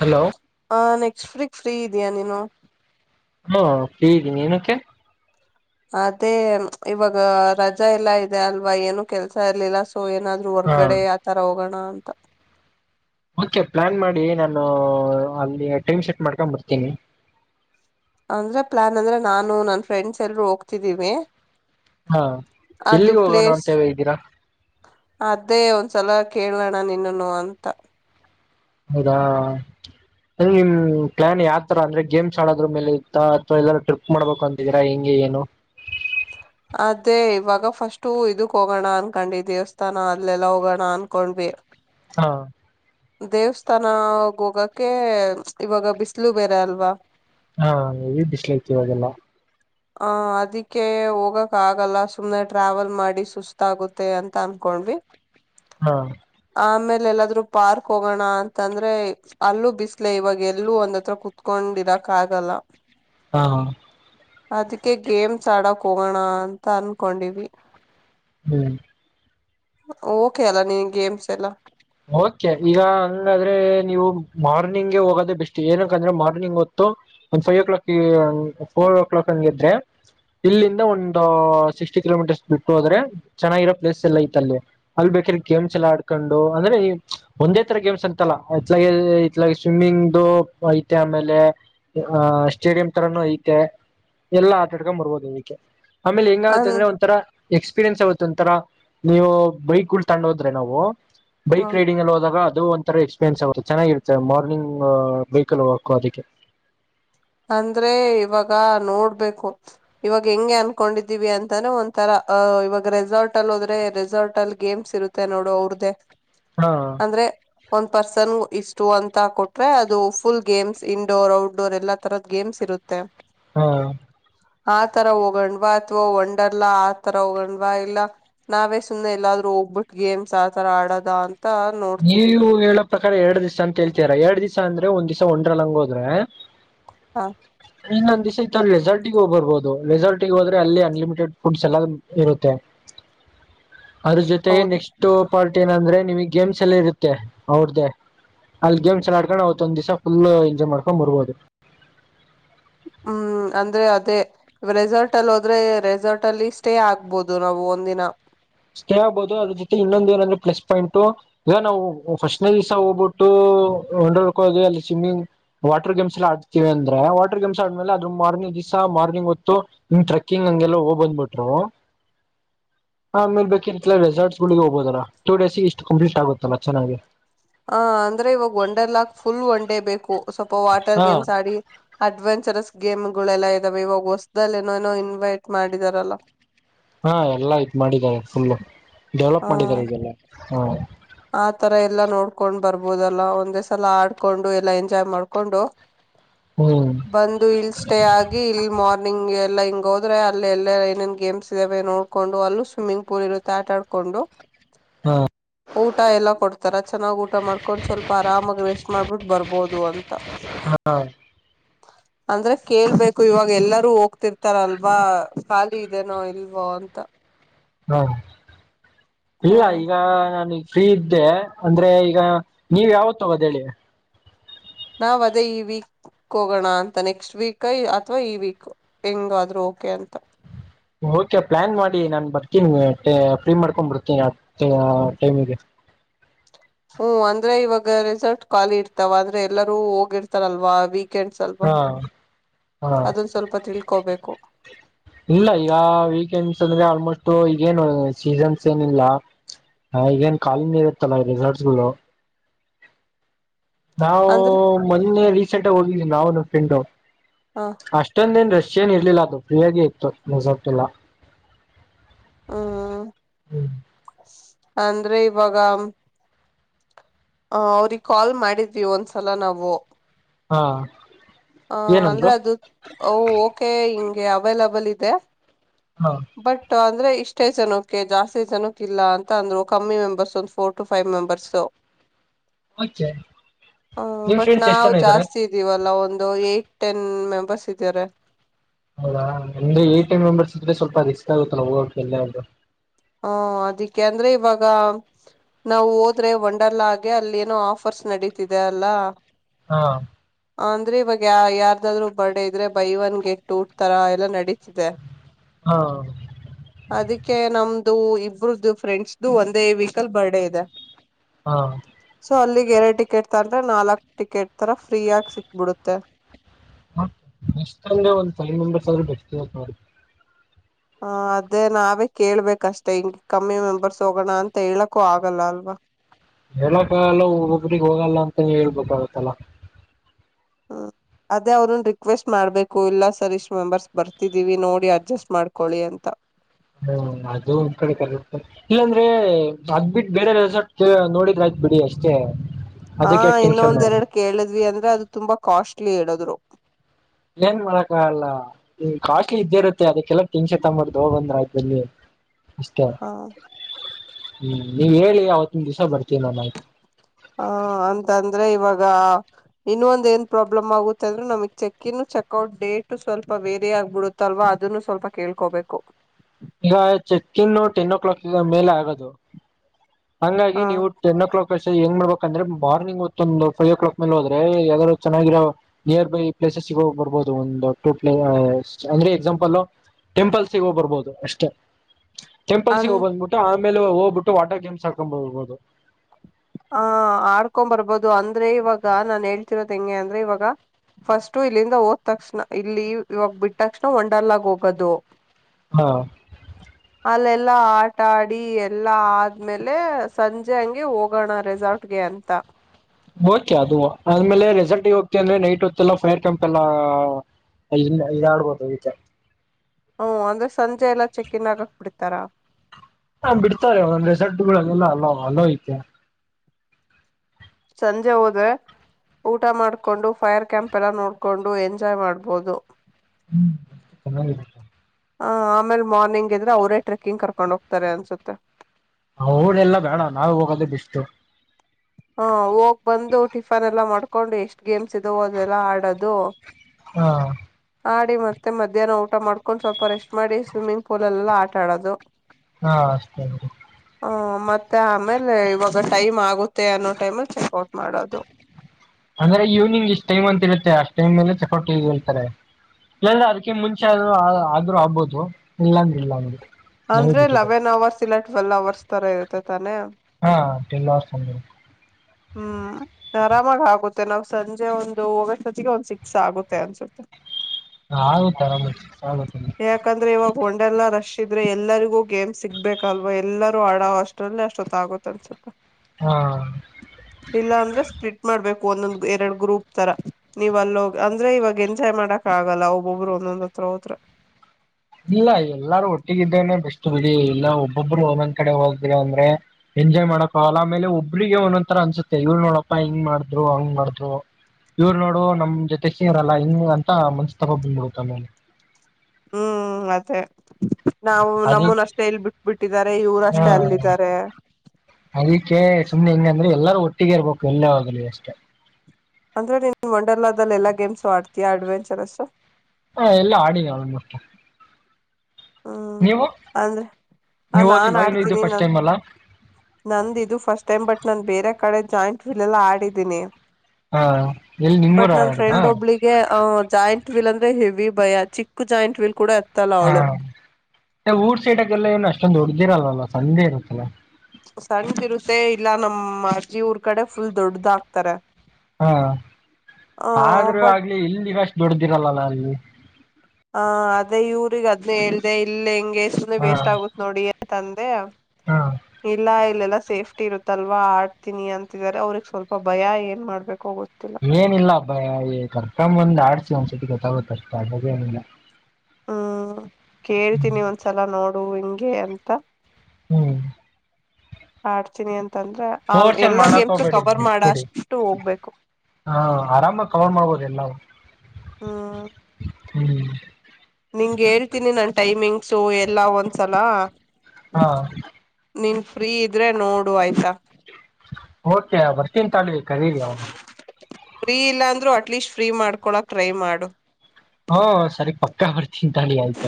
Hello ಹಾ next week free ಇದಿಯ ನೀನು ಹಾ ಫೀ ಇದ್ದೀನಿ ಏನಕ್ಕೆ ಅದೇ ಇವಾಗ ರಜಾ ಇಲ್ಲಾ ಇದೆ ಅಲ್ವಾ ಏನು ಕೆಲ್ಸ ಇರ್ಲಿಲ್ಲ ಸುಮ್ ಸೊ ಏನಾದ್ರು ಹಾ ಹೊರ್ಗಡೆ ಆತರ ಹೋಗೋಣ ಅಂತ ಓಕೆ ಪ್ಲಾನ್ ಮಾಡಿ ನಾನು ಅಲ್ಲಿ ಟೈಮ್ ಸೆಟ್ ಮಾಡ್ಕೊಂಡ್ ಬರ್ತೀನಿ ಅಂದ್ರೆ ಪ್ಲಾನ್ ಅಂದ್ರೆ ನಾನು ನನ್ ಫ್ರೆಂಡ್ಸ್ ಎಲ್ರು ಹೋಗ್ತಿದೀವಿ ಹಾ ಅದು ಎಲ್ಲಿಗೆ ಹೋಗೋಣ ಪ್ಲೇಸ್ ಅಂತ ಇದ್ದೀರಾ ಅದೇ ಒಂದ್ಸಲ ಕೇಳಾಣ ನಿನ್ನು ಅಂತ ಹೌದಾ... ಮ್ ಪ್ಲಾನ್ ಯಾವ್ ತರ ಅಂದ್ರೆ ಗೇಮ್ಸ್ ಆಡೋದ್ರ ಮೇಲೆ ಇತ್ತಾ ಅಥವಾ ಎಲ್ಲ ಟ್ರಿಪ್ ಮಾಡ್ಬೇಕು ಅಂತಿದೀರಾ ಹೆಂಗೆ ಏನು [inaudible] ಅದೇ ಇವಾಗ ಫಸ್ಟು ಇದಕ್ ಹೋಗೋಣ ಅನ್ಕೊಂಡಿ ದೇವಸ್ಥಾನ ಅಲ್ಲೆಲ್ಲಾ ಹೋಗೋಣ ಅನ್ಕೊಂಡ್ವಿ ಹಾ ದೇವಸ್ಥಾನ ಹೋಗಕ ಇವಾಗ ಬಿಸಿಲು ಬೇರೆ ಅಲ್ವಾ ಹಾ ನೀ ಬಿಸ್ಲೈತಿ ಇವಾಗೆಲ್ಲ ಹ ಅದಿಕ್ಕೆ ಹೋಗಕ್ ಆಗಲ್ಲ ಸುಮ್ನೆ ಟ್ರಾವೆಲ್ ಮಾಡಿ ಸುಸ್ತಾಗುತ್ತೆ ಅಂತ ಅನ್ ಕೊಂಡವಿ ಹಾ ಆಮೇಲೆ ಎಲ್ಲಾದ್ರೂ ಪಾರ್ಕ್ ಹೋಗೋಣ ಅಂತಂದ್ರೆ ಅಲ್ಲೂ ಬಿಸ್ಲೆ ಇವಾಗ ಎಲ್ಲೂ ಒಂದ್ ಹತ್ರ ಕುೂತ್ಕೊಂಡ್ಿರಕ್ ಆಗಲ್ಲ ಹಾ ಅದಕ್ಕೆ ಗೇಮ್ಸ್ಡ ಹೋಗೋಣ ಅಂತ ಅನ್ಕೊಂಡವಿ ಹ್ಮ್ ಓಖಲ್ಲ ನೀ ಗೇಮ್ಸ್ ಎಲ್ಲ ಓಕೆ ಈಗ ಹಂಗಾದ್ರೆ ನೀವು ಮಾರ್ನಿಂಗಗೆ ಹೋಗೋದ ಬೆಸ್ಟ್ ಏನಕಂದ್ರೆ ಮಾರ್ನಿಂಗ್ ಒಂದ್ five o'clock four o'clock ಹಂಗ ಇದ್ರೆ ಇಲ್ಲಿಂದ ಒಂದು ಸಿಕ್ಸ್ಟಿ ಕಿಲೋಮೀಟರ್ಸ್ ಬಿಟ್ಟು ಹೋದ್ರೆ ಚೆನ್ನಾಗಿರೋ ಪ್ಲೇಸ್ ಎಲ್ಲ ಇಐತ್ತ ಅಲ್ಲಿ ಅಲ್ಲಿ ಬೇಕ್ರ ಗೇಮ್ ಚಲಾ ಆಡ್ಕೊಂಡು ಅಂದ್ರೆ ಒಂದೇ ತರ ಗೇಮ್ಸ್ ಅಂತಲ್ಲ ಇತ್ಲ ಇಲ ಸ್ವಿಮ್ಮಿಂಗ್ು ಐತೆ ಆಮೇಲೆ ಅಹ ಸ್ಟೇಡಿಯಂ ತರಾನು ಐತೆ ಎಲ್ಲಾ ಆತಡ್ಕೊಂಡ್ ಬರ್ಬೋದು ನಿಕ್ಕೆ ಆಮೇಲೆ ಹೆಂಗ ಆಗುತ್ತೆ ಅನ್ ಅಂದ್ರೆ ಒಂಥರ ಎಕ್ಸ್ಪೀರಿಯನ್ಸ್ ಯಾವತ್ತು ಒಂಥರ ನೀವು ಬೈಕ್ಗಳು ತಂಡು ಹೋದ್ರೆ ನಾವು ಬೈಕ್ ರೈಡಿಂಗ್ ಅಲ್ಲಿ ಹೋದಾಗ ಅದು ಒಂಥರ ಎಕ್ಸ್ಪೀರಿಯನ್ಸ್ ಆಗುತ್ತೆ ಚೆನ್ನಾಗಿರುತ್ತೆ ಮಾರ್ನಿಂಗ್ ಬೈಕಲ್ ವಾಕು ಅದಕ್ಕೆ ಅಂದ್ರೆ ಇವಾಗ ನೋಡ್ಬೇಕು ಇವಾಗ ಹೆಂಗೆ ಅನ್ಕೊಂಡಿದ್ದೀವಿ ಅಂತಾನೆ ಒಂಥರ ಅಹ ಇವಾಗ ರೆಸಾರ್ಟ ಅಲ್ಲಿ ಹೋದ್ರೆ ರೆಸಾರ್ಟ ಅಲ್ಲಿ ಗೇಮ್ಸ್ ಇರುತ್ತೆ ನೋಡು ಅವ್ರ್ದೇ ಹಾ ಅಂದ್ರೆ ಒಂದ್ ಪರ್ಸನ್ ಇಷ್ಟು ಅಂತ ಕೊಟ್ರೆ ಅದು ಫುಲ್ ಗೇಮ್ಸ್ ಇನ್ಡೋರ್ ಔಟ್ಡೋರ್ ಎಲ್ಲಾ ತರದ್ ಗೇಮ್ಸ್ ಇರುತ್ತೆ ಹಾ ಆತರ ಒಗಂಡ್ವಾ ಅಥವಾ ಒಡರ್ಲ್ಲಾ ಆತರ ಒಗಂಡ್ವಾ ಇಲ್ಲ ನಾವೇ ಸುಮ್ನೆ ಎಲ್ಲಾದ್ ಒಗಬಿಟ್ಟು ಗೇಮ್ಸ್ ಆತರ ಆಡದ ಅಂತ ನೋಡ್ತಿದೀವಿ ನೀವು ಹೇಳೋ ಪ್ರಕಾರ ಎರಡ್ ದಿವಸ ಅಂತ ಹೇಳ್ತೀರ ಎರಡ್ ದಿವಸ ಅಂದ್ರೆ ಒಂದ್ಿವಸ ಒ್ರಲ್ಲ ಹಂಗ ಹೋದ್ರೆ ಹ ಇನ್ನೊಂದ್ ದ್ಸ ಈ ತಥ ರೆಸಾರ್ಟಿಗೆ ಹೋಗ್ ಬರ್ಬಹದು ರೆಸಾರ್ಟಿಗೆ ಹೋದ್ರೆ ಅಲ್ಲಿ ಅನ್ಲಿಮಿಟೆಡ್ ಫುಡ್ಸ್ ಎಲ್ಲ ಇರುತ್ತೆ [unintelligible] ಅದ ಜೊತೆಗೆ ಹೌದು ನೆಕ್ಸ್ಟ್ ಪಾರ್ಟ್ ಏನಂದ್ರೆ ನಿಮಗ್ ಗೇಮ್ಸ್ ಎಲ್ಲ ಇರುತ್ತೆ ಅವ್ರ್ದೇ ಅಲ್ಲಿ ಗೇಮ್ ಚಲಾಡ್ಕೊಂಡ್ ಅವತ್ತ ಒಂದ ದಿವ್ ಫುಲ್ ಎಂಜಾಯ್ ಮಾಡ್ಕೊಂಡ್ ಬರ್ಬೋದು [unintelligible] ಹ್ಮ್ ಅಂದ್ರೆ ಅದೇ ರೆಸಾರ್ಟ್ ಅಲ್ಲಿ ಹೋದ್ರೆ ರೆಸಾರ್ಟ್ ಅಲ್ಲಿ ಸ್ಟೇ ಆಗ್ಬೋದು ನಾವು ಮುಂದಿನ ಸ್ಟೇ ಆಗ್ಬಹುದು ಅದ್ರ ಜೊತೆ ಇನ್ನೊಂದು ಏನಂದ್ರೆ ಪ್ಲಸ್ ಪಾಯಿಂಟ್ ಈಗ ನಾವು ಫಸ್ಟ್ನವ್ಸ ಹೋಗ್ಬಿಟ್ಟು ಡೋಲ್ಲಿ ಸ್ವಿಮ್ಮಿಂಗ್ ವಾಟರ್ ಗೇಮ್ಸ್ ಎಲ್ಲಿ ಆಡ್ತೀವಿ ಅಂದ್ರೆ ವಾಟರ್ ಗೇಮ್ಸ್ ಆ ಆದ್ಮೇಲೆ ಅದು ಮಾರ್ನಿಂಗ್ ದಿವಸ ಮಾರ್ನಿಂಗ್ ಹೊತ್ತು ನಿಟ್ರೆಕ್ಕಿಂಗ್ ಹಂಗೆಲ್ಲ ಹೋಗ್ ಬಂದ್ಬಿಟ್ರು ಆ ಮೇಲೆ ಬೇಕಿ ರೆಸಲ್ಟ್ಸ್ ಗಳಿಗೆ ಹೋಗೋದಲ್ಲಾ ಟೂ ಡೇಸ್ಗೆ ಇಷ್ಟು ಕಂಪ್ಲೀಟ್ ಆಗುತ್ತಲ್ಲ ಚೆನ್ನಾಗಿ. ಹ ಅಂದ್ರೆ ಇವಾಗ ಒಂಡೆ ಲಾಕ್ ಫುಲ್ ಒನ್ ಬೇಕು. ಸೊಪ ವಾಟರ್ ಹಾ ಗೇಮ್ಸ್ ಆಡಿ ಅಡ್ವೆಂಚರಸ್. ಗೇಮ್ ಗಳೆಲ್ಲಾ ಇದ್ದಾವೆ ಇವಾಗ ಹೊಸ್ದಲ್ ಏನೋ ಏನೋ ಇನ್ವೈಟ್ ಮಾಡಿದಾರಲ್ಲ. ಹಾ ಎಲ್ಲಾ ಇ ಮಾಡಿದ್ದಾರೆ ಫುಲ್ಲ ಹ ಡೆವಲಪ್ ಮಾಡಿದ್ದಾರೆ ಇದೆಲ್ಲಾ ಹಾ. ಆ ತರ ಎಲ್ಲಾ ನೋಡ್ಕೊಂಡ್ ಬರ್ಬೋದಲ್ಲ ಒಂದೇ ಸಲ ಆಡ್ಕೊಂಡು ಎಲ್ಲಾ ಎಂಜಾಯ್ ಮಾಡ್ಕೊಂಡು ಹ್ಮ್ ಬಂದು ಇಲ್ ಸ್ಟೇ ಆಗಿ ಇಲ್ ಮಾರ್ನಿಂಗ್ ಎ ಎಲ್ಲ ಹಿಂಗ ಹೋದ್ರೆ ಅಲ್ಲಿ ಎಲ್ಲ ಏನೇನ್ ಗೇಮ್ಸ್ ಇದ್ದಾವೆ ನೋಡ್ಕೊಂಡು ಅಲ್ಲೂ ಸ್ವಿಮ್ಮಿಂಗ್ ಪೂಲ್ ಇರುತ್ತೆ ಆಟ ಆಡ್ಕೊಂಡು ಹಾ ಊಟ ಎಲ್ಲ ಕೊಡ್ತಾರ ಚೆನ್ನಾಗ್ ಊಟ ಮಾಡ್ಕೊಂಡು ಸ್ವಲ್ಪ ಆರಾಮಾಗಿ ರೆಸ್ಟ್ ಮಾಡ್ಬಿಟ್ಟು ಬರ್ಬೋದು ಅಂತ. ಹಾ. [inaudible] ಅಂದ್ರೆ ಕೇಳ್ಬೇಕು ಇವಾಗ ಎಲ್ಲಾರೂ ಹೋಗ್ತಿರ್ತಾರಲ್ವಾ ಖಾಲಿ ಇದೇನೋ ಇಲ್ವೋ ಅಂತ. ಹಾ ಹಾ ಇಲ್ಲ ಈಗ ನಾನ. ಫ್ರೀ ಇದ್ದೆ ಅಂದ್ರೆ ಈಗ ನೀವ ಯಾವತ್ ತಗೋದ ಹೇಳಿ. ನಾವ್ ಅದೇ ಈ ವೀಕ್ ಹೋಗೋಣ ಅಂತ ನೆಕ್ಸ್ಟ್ ವೀಕ್ ಅಥವಾ ಈ ವೀಕ್ ಹೆಂಗಾದ್ರು ಓ ಓಕೆ ಅಂತ. ಓಕೆ ಪ್ಲಾನ್ ಮಾಡಿ ನಾನನ್ ಬರ್ತೀನಿ ಫ್ರೀ ಮಾಡ್ಕೊಂಡ್ ಬರ್ತೀನಿ ಆ ಟೈಮಿಗೆ. [inaudible] ಹ್ಮ್ ಅಂದ್ರೆ ಇವಾಗ ರೆಸಾರಟ್ ಖಾಲಿ ಇರ್ತಾವ ಅಂದ್ರೆ ಎಲ್ಲರೂ ಹೋಗಿರ್ತಾರಲ್ವಾಗ ವಿ ವೀಕೆಂಡ್ಸ್ ಅಲ್ವಾ ಹಾ ಹಾ ಅದೊನ್ ಸ್ವಲ್ಪ ತಿಳ್ಕೋಬೇಕು. ಇಲ್ಲ ಈಗ ವೀಕೆಂಡ್ಸ್ ಅಂದ್ರೆ ಆಲ್ಮೋಸ್ಟ್ ಈಗ ಏನು ಸೀಸನ್ಸ್ ಏನಿಲ್ಲ. ಹ ಈಗೇನ್ ಕಾಲಿನ ಇರುತ್ತಲ್ಲ ರೆಸಾರ್ಟಸ್ಗಳು. ನಾವು ಅಂದ್ರ ಮೊನ್ನೆ ರೀಸೆಂಟ್ ಆಗ ಹೋಗಿದ್ವಿ ನವುನು ಫ್ರೆಂಡು ಹ ಅಷ್ಟೊಂದೇನ್ ರಷ್ ಷೇನ್ ಇರ್ಲಿಲ್ಲ ಅದು ಫ್ರೀಯಾಗಿೇ ಇತ್ತು ರೆಸಾರ್ಟ್ ಎಲ್ಲಾ. ಹ್ಮ್. ಹ್ಮ್. ಅಂದ್ರೆ ಇವಾಗ. ಹ ಅವ್ರಿಗೆ ಕಾಲ್ ಮಾಡಿದ್ವಿ ಒಂದ್ಸಲ ನಾವು. ಹಾ. ಹ ಅಂದ್ರೆ ಏನಂದ್ರು ಅದು ಅ ಓಕೆ ಹಿಂಗೆ ಅವೈಲಬಲ್ ಇದೆ. ಹಾ ಬಟ್ ಅಂಡ್. ಅಂದ್ರೆ ಇಷ್ಟೇ ಜನಕ್ಕೆ ಜಾಸ್ತಿ ಜನಕ್ಕೆ ಇಲ್ಲ ಅಂತ ಅಂದ್ರು ಕಮ್ಮಿ ಮೆಂಬರ್ಸ್ ಒಂದು four to five members. Okay ಹ್ಮ ನಿಮ್ ಬಟ್ ಫ್ರೆಂಡ್ಸ್ ಎಷ್ಟ್ ನಾವ್ ಜನ ಇದ್ದಾರೆ ಜಾಸ್ತಿ ಇದ್ದೀವಲ್ಲ. ಒಂದು ಏಟ್ ಟೆನ್ ಮೆಂಬರ್ಸ್ ಇದಾರೆ. ಹೌದಾ ಅಂದ್ರೆ ಏ ಟ ಮೆಂಬರ್ಸ್ ಇದ್ರೆ ಸ್ವಲ್ಪ ರಿಸ್ಕ್ ಆಗುತ್ತಲ್ಲ ಹೋಗಕ್ಕೆ ಎಲ್ಲ್ರರು. ಹಾ ಅದಿಕ್ಕೆ ಅಂದ್ರೆ ಇವಾಗ. ನಾವು ಹೋದ್ರೆ ವಂಡರ್ಲೆ ಅಲ್ಲಿ ಏನೋ ಆಫರ್ಸ್ ನಡೀತಿದೆ ಅಲ್ಲಾ. ಹಾ. ಅಂದ್ರೆ ಇವಾಗ ಯ ಯಾರ್ದಾದ್ರು ಬರ್ಡೇ ಇದ್ರೆ ಬೈ ಒನ್ ಗೆಟ್ ಊಟ್ತರ ಎಲ್ಲಾ ನಡೀತಿದೆ. ಹಾ. ಅದಕ್ಕೆ ನಮ್ದು ಇಬ್ರದದು ಫ್ರೆಂಡ್ಸ್್ದು ಒಂದೇ ವೀಕಲ್ ಬರ್ಡೇ ಇದೆ. ಹಾ ಸೊ ಅಲ್ಲಿಗ್ ಎರಡು ಟಿಕೆಟ್ ತಂದ್ರೆ ನಾಲ್ಕ್ ಟಿಕೆಟ್ ತರಫ್ ಫ್ರೀಯಾಗಿ ಸಿಕ್ಬಿಡುತ್ತೆ. [inaudible] ಹ ಅದೇ ನಾವೇ ಕೇಳ್ಬೇಕಷ್ಟೇ ಹಿಂಗಗೆ ಕಮ್ಮಿ ಮೆಂಬರ್ಸ್ ಹೋಗೋಣ ಅಂತ ಹೇಳಕ್ಕೂ ಆಗಲ್ಲ ಅಲ್ವಾ. [inaudible] ಹೇಳೋಕ್ಕಲ್ಲ ಒ ಒಬ್ರಗ್ ಹೋಗಲ್ಲ ಅಂತ ಹೇಳ್ಬೇಕಾಗತ್ತಲ್ಲ. ಹಾ. ಅದೇ ಅವ್ರನ್ನ ರಿಕ್ವೆಸ್ಟ್ ಮಾಡ್ಬೇಕು ಇಲ್ಲ ಸರಿ ಇಷ್ಟು ಮೆಂಬರ್ಸ್ ಬರ್ತಿದ್ದೀವಿ ನೋಡಿ ಅಡ್ಜಸ್ಟ್ ಮಾಡ್ಕೊೊಳ್ಳಿ ಅಂತ. ಹ್ಮ್ ಅದು ಒಂದ್ ಕಡೆ ಕರೆಕ್ಟ್ ಇಲ್ಲಾಂದ್ರೆ ಅದ್ಬಿಟ್ಟ ಬೇರೆ ರೆಸಾರ್ಟ ನೋಡಿದ್ರ್ತ. ಬಿಡಿ ಅಷ್ಟೇ. ಹಾ ಅದಕ್ಕೆ ಯಾಕ್ ಟೆನ್ಷನ್ ಇನ್ನೊಂದೆರಡ್ ಕೇಳಿದ್ವಿ ಅಂದ್ರೆ ಅದು ತುಂಬಾ ಕಾಸ್ಟ್ಲಿ ಹೇಳದ್ರು. ಏನ್ ಮಾಡಕ ಆಗಲ್ಲಾ ಕಾಸ್ಟ್ಲಿ ಇದ್ದೇ ಇರುತ್ತೆ ಅದಕ್ಕೆಲ್ಲ ಟೆನ್ಷನ್ ತಗಾರ್ದು ಹೋಗ ಬಂದ್ರಯಲ್ಲಿ. ಹಾ. ಹ್ಮ್ ನೀವ್ ಹೇಳಿ ಅವತ್ತಂದ್ ದಿವ್ಸ ಬರ್ತೀವಿ ನಾನ ಆಯ್ತು. ಹ ಅಂತಂದ್ರೆ ಇವಾಗ ಇನ್ನೊಂದ ಏನ್ ಪ್ರಾಬ್ಲಮ್ ಆಗುತ್ತ ಅಂದ್ರೆ ನಮಗ್ ಚೆಕ್ಕಿನ್ ಚೆಕ್ಔಟ್ ಡೇಟ್ ಸ್ವಲ್ಪ ಬೇರೆ ಆಗ್ಬಿಡುತ್ತಲ್ವಾ ಅದನ್ನು ಸ್ವಲ್ಪ ಕೇಳ್ಕೋಬೇಕು. ಈಗ ಚೆಕ್ ಇನ್ನು ಟೆನ್ ಓ ಕ್ಲಾಕ್ ಮೇಲೆ ಆಗದು. ಹ ಹಂಗಾಗಿ ನೀವು ಟೆನ್ ಓ ಕ್ಲಾಕ್ ಏನ್ ಮಾಡ್ಬೇಕಂದ್ರೆ ಮಾರ್ನಿಂಗ್ ಒತ್ತೊಂದು ೈವ್ ಓ ಕ್ಲಾಕ್ೇ ಹೋದ್ರ ಯಾವದಾರರು ಚೆನ್ನಾಗಿರೋ ನಿಯರ್ ಬೈ ಪ್ಲೇಸ್ ಬರಬಹುದು ಒಂದು ಟೂರ್ ಅಂದ್ರ ಎಕ್ಸಾಂಪಲ್ ಟೆಂಪಲ್ ಸಿಗ ಬರ್ಬಹುದು ಅಷ್ಟೇ ಅನ್ ಟೆಂಪಲ್ಸ್ಗ ಬಂದ್ಬಿಟ ಮೇಲೆ ಹೋಗ್ಬಿಟ್ಟು ವಾಟರ್ ಗೇಮ್ಸ್ ಹಾಕೊಂಡ ಹೋಗರ್ಬೋುದು ಹ ಆಡ್ಕೊ್ ಬರ್ಬೋದು ಅಂದ್ರೆ ಇವಾಗ ನಾನ್ ಹೇಳ್ತಿರೋದು ಹೆಂಗೆ ಅಂದ್ರೆ ಇವಾಗ ಫಸ್ಟು ಇಲ್ಲಿಂದ ಓದ್ ತಕ್ಷಣ ಇಲ್ಲಿ ಇವಾಗ ಬಿಟ್ಟ ತಕ್ಷಣ ಒಂಡಲ್ಾಗ ಹೋಗೋದು ಹಾ ಎಲ್ಲ ಆಟ ಆಡಿ ಎಲ್ಲಾ ಆದ್ಮೇಲೆ ಸಂಜೆ ಹಂ ಹೋಗ ಹೋಗೋಣ ರೆಸಾರ್ಟ್ಗೆ ಅಂತ ಓಕೆ ಅದು ಅ್ಮೇಲೆ ರೆಸಲ್ಟ್ಗೆ ಹೋಗ್ತ ಅಂದ್ರೆ ನೈಟ್ ಹೊತ್ತಲ್ಲ ಫೈರ್ ಕೆಂಪ್ ಎಲ್ಲಾ ಇ ಇದುಡುಬತಚ ಹಓ ಅಂದ್ರೆ ಸಂಜೆ ಎಲ್ಲಾ ಚೆಕ್ ಇನ್ ಆಗಕ್ ಬಿಡ್ತಾರ ಹಾ ಬಿಡ್ತಾರೆ ಒಂದೊ್ ರೆಸರ್ಟ್ೆಲ್ಲ ಅಲೋ ಅಲ್ಲೋ ಐತೆ ಸಂಜೆ ಹೋದ್ರೆ ಊಟ ಮಾಡ್ಕೊಂಡು ಫೈರ್ ಕ್ಯಾಂಪ್ ಎಲ್ಲ ನೋಡ್ಕೊಂಡು ಎಂಜಾಯ್ ಮಾಡ್ಬೋದು ಹ್ಮ್ ಚನ್ನ ಹ ಆಮೇಲ್ ಮಾರ್ನಿಂಗ್ ಇದ್ರೆ ಅವರೇ ಟ್ರೆಕ್ಕಿಂಗ್ ಕರ್ಕೊಂಡ್ ಹೋಗ್ತಾರೆ ಅನ್ಸುತ್ತೆ ಅವ್ಳಲ್ಲಾ ಬೇಡ ನಾವ್ ಹೋಗೋದೇ ಬಿಷ್ಟು ಹಾ ಹೋಗ್ ಬಂದು ಟಿಫನ್ ಎಲ್ಲಾ ಮಾಡ್ಕೊಂಡು ಎಷ್ಟ್ ಗೇಮ್ಸ್ ಇ ಅದೆಲ್ಲಾ ಆಡೋದು ಹಾ ಆಡಿ ಮತ್ತೆ ಮಧ್ಯಾಹ್ನ ಊಟ ಮಾಡ್ಕೊಂಡ್ ಸ್ವಲ್ಪ ರೆಸ್ಟ್ ಮಾಡಿ ಸ್ವಿಮ್ಮಿಂಗ್ ಪೂಲ್ಲ್ಲೆಲ್ಲ ಆಟ ಆಡೋದು ಹಾ ಅಷ್ಟರಿ ಹ ಮತ್ತೆ ಆಮೇಲೆ ಇವಾಗ ಟೈಮ್ ಆಗುತ್ತೆ ಅನ್ನೋ ಟೈಮಲ್ಲಿ ಚೆಕ್ ಅಂದ್ರೆ ಈವ್ನಿಂಗ್ ಇಷ್ಟ್ ಟೈಮ್ ಅಂತ ಇರುತ್ತೆ ಅಷ್ಟ ಟೈಮ್ ಮೇಲೆ ಚಕೌಟಿ ಹೇಳ್ತಾರೆ ಇಲ್ಲಲ್ ಅದಕೆ ಮುಂಚೆ ಆದರು ಆದ್ರೂ ಆಗ್ಬೋದು ಇಲ್ಲಾಂದ್ರೆ ಇಲ್ಲಾ ಅಂದೆ ಅಂದ್ರೆ ಲೆವೆನ್ ಅವರ್ಸ್ ಇಲ್ಲ ಟ್ವೆಲ್ವ್ ಅವರ್ಸ್ ತರ ಇರ್ತೈ ತಾನೆ ಟಲ್ಲಸ್ಂದ ಹ್ಮ್ ಆರಾಮಾಗ ಆಗುತ್ತೆ ನಾವ್ ಸಂಜೆ ಒಂದು ಹೋಗೋಷ್ಟೊತ್ತಿಗೆ ಒಂದ್ ಸಿಕ್ಸ್ ಆಗುತ್ತೆ ಅನ್ಸುತ್ತೆ [unintelligible] ಹ ಆೌದು ಆರಾಮ ಆಗುತ್ತೆ ಯಾಕಂದ್ರೆ ಇವಾಗ ಉೊಂಡೆಲ್ಲ ರಷ್ಟ ಷ್ಟ ಇದ್ರೆ ಎಲ್ಲರಿಗೂ ಗೇಮ್ ಸಿಗ್ಬೇಕಲ್ವಾ ಎಲ್ಲರೂ ಆಡೋ ಅಷ್ಟ್ರಲ್ಲೇ ಅಷ್ಟೊತ್ ಆಗತ್ ಅನ್ಸೊಲ್ಪ ಹಾ ಇಲ್ಲ ಅಂದ್ರೆ ಸ್ಪ್ಲಿಟ್ ಮಾಡ್ಬೇಕು ಒಂದೊಂದ್ ಎರಡ್ ಗ್ರೂಪ್ ತರ ನೀವ್ ಅಲ್ಲಿೋಗ ಅಂದ್ರೆ ಇವಾಗ ಎಂಜಾಯ್ ಮಾಡಕ್ ಆಗಲ್ಲ ಒಬ್ಬೊಬ್ಬರು ಒಂದೊಂದ ಹತ್ರ ಕೋತ್ರ ಇಲ್ಲ ಎಲ್ಲಾರು ಒಟ್ಟಿಗಿದ್ದೇನೆ ಬೆಸ್ಟ್ ಬಿಡಿ ಇಲ್ಲ ಒಬ್ಬೊಬ್ರು ಒಂದೊಂದ್ ಕಡೆ ಹೋಗ್ದರ ಅಂದ್ರೆ ಎಂಜಾಯ್ ಮಾಡಕಲ್ ಆಮೇಲೆ ಒಬ್ರಿಗೆ ಒಂದೊಂದ್ರ ಅನ್ಸುತ್ತೆ ಇವ್ ನೋಡಪ್ಪಾ ಹಿಂಗ ಮಾಡಿದ್ರು ಹಂಗ್ ಮಾಡಿದ್ರು ಇವ್ರು ನೋಡು ನಮ್ ಜೊತೆ ಸೀರಲ್ಲ ಹಿಂಗ ಅಂತ ಮನ್ಸ ತಗೋ ಬಂದ್ಬಿಡತ್ತ ಮೇಲೆ ಹ್ಮ್ ಅದೇ ನಾವು ನಮ್ಮನ ಅದಕ್ಕೆ ಅಷ್ಟೇ ಇಲ್ಲಿ ಬಿಟ್ ಬಿಟ್ಟಿದ್ದಾರೆ ಇವರು ಹಾ ಅಷ್ಟೇ ಅಲ್ಲಿದ್ದಾರೆ ಅದಕ್ಕೆ ಸುಮ್ನೆ ಹೆಂಗಂದ್ರೆ ಎಲ್ಲಾರೂ ಒಟ್ಟಿಗ ಇರ್ಬೇಕು ಎಲ್ಲೇ ಹೋಗಲಿ ಅಷ್ಟೇ ಅಂದ್ರೆ ನೀ ಮಂಡೆಲ್ಾದದಲ್ಲಿ ಎಲ್ಲಾ ಗೇಮ್ಸು ಆಡ್ತೀಯಾ ಅಡ್ವೆಂಚರಸ್ು ಹ ಎಲ್ಲಾ ಆಡಿನಳ ಮಷ್ಟ ಹ್ಮ್ ಅಂದ್ರೆ ಆ ನೀವ್ ನಾನ್ ಹೋಗಿಲ್ವಾ ಇನ್ನು ಇದು ಆಡ್ತೀನಿ ಫಸ್ಟ್ ನನ್ ಟೈಮ್ ಅಲ್ಲ ನಂದ ಇದು ಫಸ್ಟ್ ಟೈಮ್ ಬಟ್ ನಾನು ಬೇರೆ ಕಡೆ ಜಾಯಿಂಟ್ ವಿಲೆಲ್ಲ ಆಡಿದ್ದೀನಿ ಹ ಎಲ್ಲಿ ನಿಮ್ಮೂರ ಬಟ್ ನನ್ ಆಡಿದ ಫ್ರೆಂಡ್ ಒಬ್ಳಿಗೆ ಅ ಜಾಯಿಂಟ್ ವಲ್ ಅಂದ್ರೆ ಹೆವಿ ಭಯ ಚಿಕ್ಕ ಜಾಯಿಂಟ್ ವೀಲ್ ಕೂಡ ಇತ್ತಲ್ಲ ಅವಳು ಹ ಊರ್ ಸೈಡಾಗೆಲ್ಲ ಏನು ಅಷ್ಟೊಂದು್ ಉಡ್ದಿರಲ್ಲಲ್ಲ ಸಂಧೆ ಇರುತ್ತಲ್ಲ ಸಣ್ಣದಿರುತ್ತೆ ಇಲ್ಲ ನಮ್ಮ್ ಅಜ್ಜಿ ಊರ್ ಕಡೆ ಫುಲ್ ದೊಡ್ಡ್ದ ಹಾಕ್ತಾರೆ ಹಾ ಆ ಆದ್ರೂ ಬಟ್ ಆಗ್ಲಿ ಇಲ್ಲಿಗಷ್ಟ್ ದೊಡ್ಡ್ದಿರಲ್ಲಲ್ಲ ಅಲ್ಲಿ ಹ ಅದೇ ಇವ್ರಿಗೆ ಅದ್ದು ಹೇಳ್ದ ಇಲ್ಲಂಗ್ ಗೇ ಸುಮ್ನೆ ಹಾ ವೇಸ್ಟ್ ಆಗತ್ ನೋಡಿ ಅಂತ ಅಂದೆ ಹಾ ಇಲ್ಲ ಇಲ್ಲೆಲ್ಲ ಸೇಫ್ಟಿ ಇರುತ್ತಲ್ವಾ ಆಡ್ತೀನಿ ಅಂತಿದ್ದಾರೆ ಅವ್ರಗ್ ಸ್ವಲ್ಪ ಭಯ ಏನ್ ಮಾಡ್ಬೇಕೋ ಗೊ ಏನಿಲ್ಲ ಬ್ಬ ಈ ಕರ್ಕೊಂಡ್ ಬಂದ್ ಆಡ್ಸಿ ಒಂದ್ಸತಿ ಗೊತ್ತಾಗುತ್ತೆ [unintelligible] ಏನಿಲ್ಲ ಹ್ಮ್ ಕೇಳ್ತೀನಿ ಒಂದ್ಸಲ ನೋಡು ಹಿಂಗೆ ಅಂತ ಹ್ಮ್ ಆಡ್ತೀನಿ ಅಂತಂದ್ರೆ ಅ ಫೋರ್ಸ್ ಏನ್ ಎಲ್ಲಾ ಮಾಡಕ್ ಗೇಮ್ಸ ಹೋಗ್ಬೇಡಿ ಕವರ್ ಮಾಡ ಬಿಟ್ಬಿಡಿ ಅಷ್ಟು ಹೋಗ್ಬೇಕು ಹಾ ಆರಾಮಾಗ ಕವರ್ ಮಾಡ್ಬೋದು ಎಲ್ಲವು ಹ್ಮ ಹ್ಮ್ ನನ್ ಟೈಮಿಂಗ್ಸು ಎಲ್ಲಾ ಒಂದ್ಸಲ ಹಾ ನೀನ್ ಫ್ರೀ ಇದ್ರೆ ನೋಡು ಆಯ್ತ ಓಕೆ ಬರ್ತೀನ ತಾಳಿ ಕರೀರಿ ಅವಾಗ ಫ್ರೀ ಇಲ್ಲಾ ಅಂದ್ರು ಅಟ್ಲೀಸ್ಟ್ ಫ್ರೀ ಮಾಡ್ಕೊಳಕ್ ಟ್ರೈ ಮಾಡು ಹೂಂ ಸರಿ ಪಕ್ಕಾ ಬರ್ತೀನಿ ತಗಳೀ ಆಯ್ತ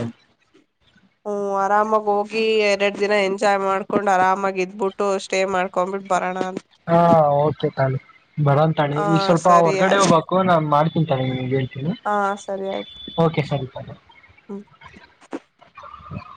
ಹ್ಮ್ ಆರಾಮಾಗಿ ಹೋಗಿ ಎರಡ್ ದಿನ ಎಂಜಾಯ್ ಮಾಡ್ಕೊಂಡ್ ಆರಾಮಾಗಿ ಬುಟ್ಟು ಸ್ಟೇ ಮಾಡ್ಕೊಂಡ್ಬಿಟ್ಟು ಬರಣ ಅ ಹಾ ಓಕೆ ತಗಳಿ ಬರೋಂತಳಿ ಹ ಈಗ ಸ್ವಲ್ಪ ಸರಿ ಹೊರ್ಗಡೆ ಆಯ್ತು ಹೋಗ್ಬೇಕು ನಾನ್ ಮಾಡ್ತಿನ್ ತಗಳಿ ನಿಮಗೆೇಳ್ತೀನಿ ಹ ಸರಿ ಆಯ್ತು ಓಕೆ ಸರಿ ಹ್ಮ್ [unintelligible]